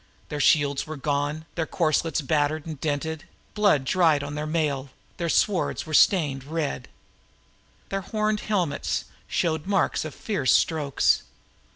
Their shields were gone, their corselets dinted. Blood smeared their mail; their swords were red. Their horned helmets showed the marks of fierce strokes.